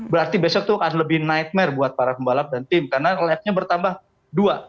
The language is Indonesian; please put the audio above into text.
berarti besok itu akan lebih nightmare buat para pembalap dan tim karena live nya bertambah dua